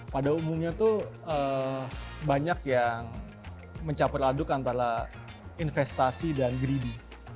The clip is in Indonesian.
pada umumnya tuh banyak yang mencapai aduk antara investasi dan greedi